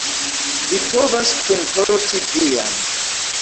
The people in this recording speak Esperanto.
Vi povas kunporti vian.